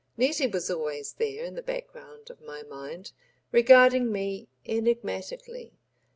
Nettie was always there in the background of my mind, regarding me enigmatically.